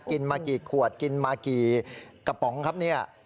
กินมากี่ขวดกินมากี่กระป๋องครับเนี่ย